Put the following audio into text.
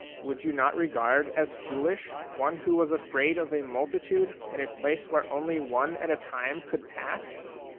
Would you not regard as foolish one who was afraid of a multitude in a place where only one at a time could pass